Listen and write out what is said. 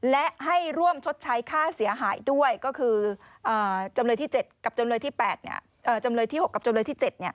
และให้ร่วมชดใช้ค่าเสียหายด้วยก็คือจำเลยที่๖กับจำเลยที่๗